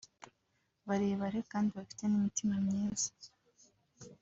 barebare kandi bafite n’imitima myiza